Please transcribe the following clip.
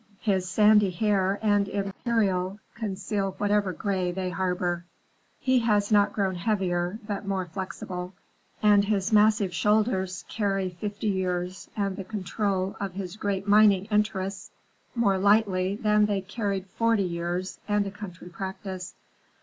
His sandy hair and imperial conceal whatever gray they harbor. He has not grown heavier, but more flexible, and his massive shoulders carry fifty years and the control of his great mining interests more lightly than they carried forty years and a country practice.